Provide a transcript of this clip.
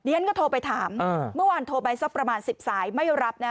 ฉันก็โทรไปถามเมื่อวานโทรไปสักประมาณ๑๐สายไม่รับนะ